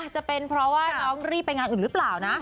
จะเป็นเพราะว่าน้องรีบไปงานอื่นหรือเปล่านะ